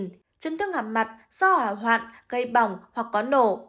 trấn thương hàm mặt do hỏa hoạn gây bỏng hoặc có nổ